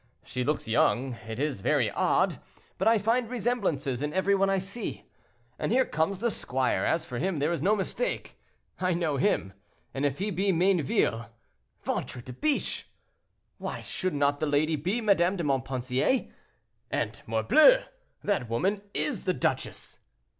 She looks young; it is very odd, but I find resemblances in every one I see. And here comes the squire; as for him, there is no mistake; I know him, and if he be Mayneville—ventre de biche!—why should not the lady be Madame de Montpensier? And, morbleu! that woman is the duchess!"